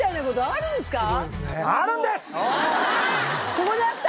ここにあった！